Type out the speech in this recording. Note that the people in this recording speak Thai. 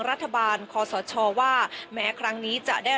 รัฐบาลคอสชว่าแม้ครั้งนี้จะได้